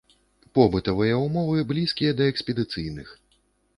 Побытавыя умовы блізкія да экспедыцыйных.